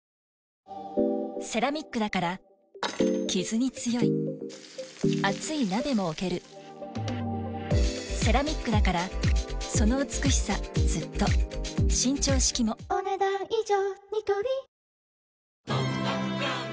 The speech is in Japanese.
セラミックだからキズに強い熱い鍋も置けるセラミックだからその美しさずっと伸長式もお、ねだん以上。